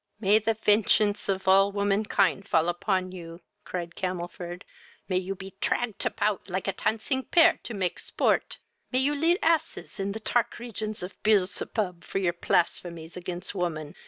"May the vengeance of all womankind fall upon you! (cried Camelford:) may you be tragged apout like a tancing pear, to make sport! may you lead asses in the tark regions of Peelzebub, for your plasphemies against woman!